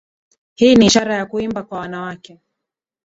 Hii ni ishara ya kuimba kwa wanawake